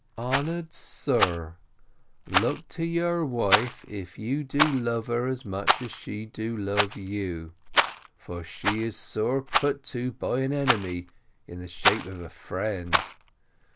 Honour'd Sir, Look to your Wife if you do love her as much as she do love you. For she is sore put to by an Enemy in the shape of a Friend.